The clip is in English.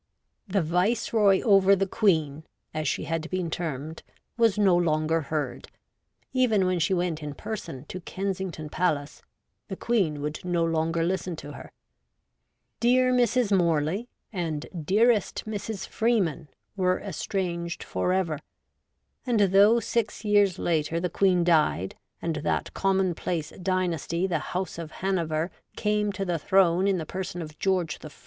' The Viceroy over the Queen,' as she had been termed, was no longer heard ; even when she went in person to Kensington Palace, the Queen would no longer listen to her. ' Dear Mrs. Morley ' and ' Dearest Mrs. Freeman ' were estranged for ever, and though six years later the Queen died, and that commonplace dynasty the House of Hanover came to the throne in the person of George I.